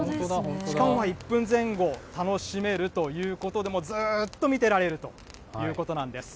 しかも１分前後楽しめるということで、ずーっと見てられるということなんです。